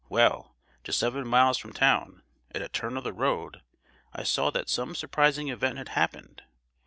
Well, just seven miles from town, at a turn of the road, I saw that some surprising event had happened.